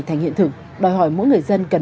thành hiện thực đòi hỏi mỗi người dân cần